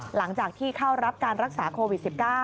หลังจากที่เข้ารับการรักษาโควิด๑๙